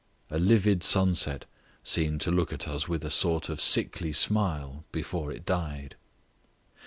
A livid sunset seemed to look at us with a sort of sickly smile before it died.